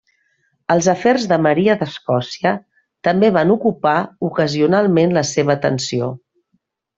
Els afers de Maria d'Escòcia també van ocupar ocasionalment la seva atenció.